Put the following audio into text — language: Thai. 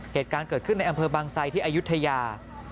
เหตุการณ์เกิดขึ้นในอำเภอบางไซที่อายุทยา